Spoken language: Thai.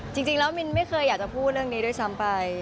จริงแล้วมินไม่เคยอยากจะพูดเรื่องนี้ด้วยซ้ำไป